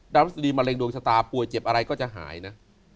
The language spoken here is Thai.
พฤษฎีมะเร็งดวงชะตาป่วยเจ็บอะไรก็จะหายนะ